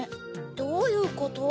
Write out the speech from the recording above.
どういうこと？